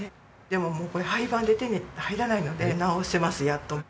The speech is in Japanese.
でももうこれ廃盤で手に入らないので直せますやっと。